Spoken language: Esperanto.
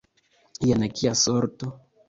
Jen kia sorto!